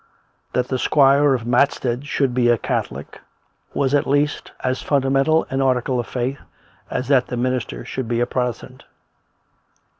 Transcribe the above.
That the squire of Matstead should be a Catholic was at least as fundamental an article of faith as that the minister should be a Protestant.